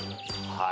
はい。